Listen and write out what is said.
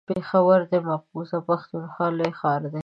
پېښور د مقبوضه پښتونخوا لوی ښار دی.